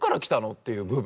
っていう部分。